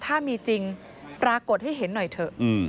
ถ้ามีจริงปรากฏให้เห็นหน่อยเถอะ